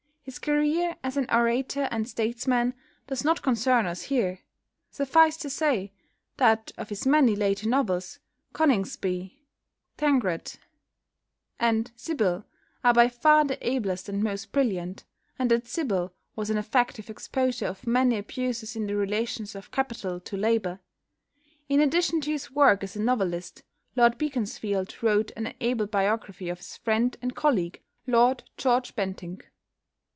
His career as an orator and statesman does not concern us here; suffice to say that of his many later novels "Coningsby," "Tancred," and "Sybil" are by far the ablest and most brilliant, and that "Sybil" was an effective exposure of many abuses in the relations of capital to labour. In addition to his work as a novelist, Lord Beaconsfield wrote an able biography of his friend and colleague, Lord George Bentinck.